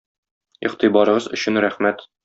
Игътибарыгыз өчен рәхмәт.